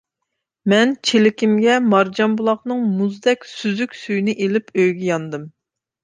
مەن چېلىكىمگە مارجانبۇلاقنىڭ مۇزدەك سۈزۈك سۈيىنى ئېلىپ ئۆيگە ياندىم.